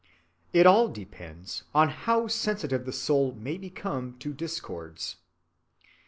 It all depends on how sensitive the soul may become to discords.